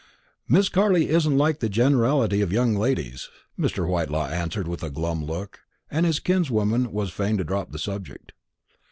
"Miss Carley isn't like the generality of young ladies," Mr. Whitelaw answered with a glum look, and his kinswoman was fain to drop the subject.